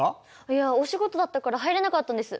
いやお仕事だったから入れなかったんです。